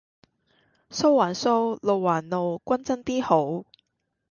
數還數；路還路，均真 D 好